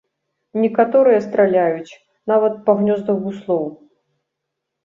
Некаторыя страляюць нават па гнёздах буслоў.